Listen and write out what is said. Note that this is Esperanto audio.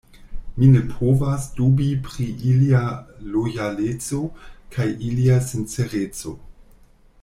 Mi ne povas dubi pri ilia lojaleco kaj ilia sincereco.